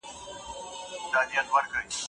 شاګرد وپوښتل چي څنګه کولای سي مخالفت څرګند کړي.